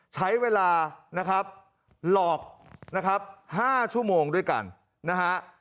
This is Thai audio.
ใช้เวลาหลอก๕ชั่วโมงด้วยกันนะฮะ